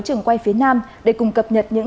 trường quay phía nam để cùng cập nhật những